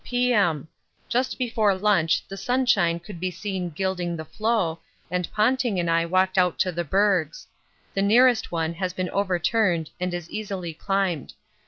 P.M. Just before lunch the sunshine could be seen gilding the floe, and Ponting and I walked out to the bergs. The nearest one has been overturned and is easily climbed.